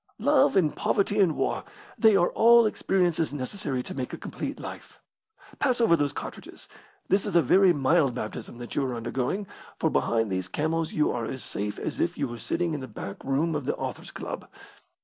"Love and poverty and war, they are all experiences necessary to make a complete life. Pass over those cartridges. This is a very mild baptism that you are undergoing, for behind these camels you are as safe as if you were sitting in the back room of the Authors' Club."